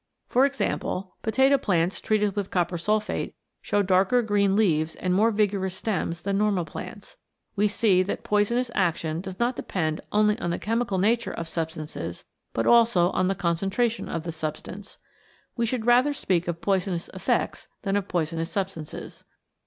For example, potato plants treated with copper sulphate show darker green leaves and more vigorous stems than normal plants. We see that poisonous action does not depend only on the chemical nature of substances, but also on the concentration of the substance. We should rather speak of poisonous effects than of poisonous substances.